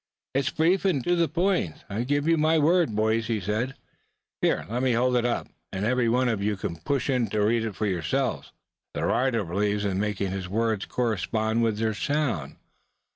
"It's brief, and to the point, I give you my word, boys," he said. "Here, let me hold it up, and every one of you can push in to read for yourselves. The writer believes in making his words correspond with their sound.